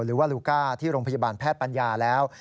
หรือว่าลูก้าที่โรงพยาบาลแพทย์ปัญญาแล้ว